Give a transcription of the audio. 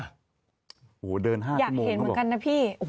อยากเห็นเหมือนกันนะพี่